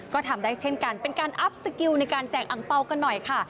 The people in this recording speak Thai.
ก็ทำได้เช่นกันเป็นการอัพสกิลในการแจกอังเปล่ากันหน่อยค่ะ